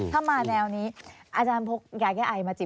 ถ้ามาแนวนี้อาจารย์พกยาแก้ไอมาจิบ